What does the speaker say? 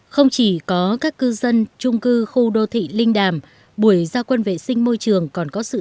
không chỉ có các cư dân trung cư khu đô thị linh đàm buổi gia quân vệ sinh môi trường còn có sự